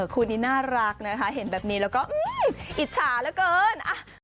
คู่นี้น่ารักนะคะเห็นแบบนี้แล้วก็อิจฉาเหลือเกิน